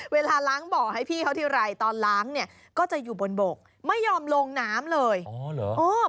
เวลาล้างบ่อให้พี่เขาทีไรตอนล้างเนี่ยก็จะอยู่บนบกไม่ยอมลงน้ำเลยอ๋อเหรอ